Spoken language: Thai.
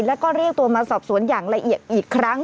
แล้วก็เรียกตัวมาสอบสวนอย่างละเอียดอีกครั้ง